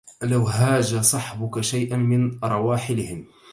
لو هاج صحبك شيئا من رواحلهم